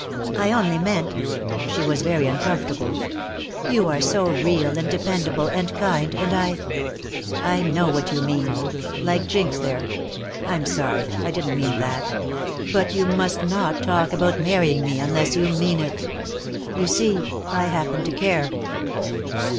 "I only meant " she was very uncomfortable. "You are so real and dependable and kind, and I " "I know what you mean. Like Jinx, there. I'm sorry! I didn't mean that. But you must not talk about marrying me unless you mean it. You see, I happen to care."